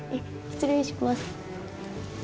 失礼します。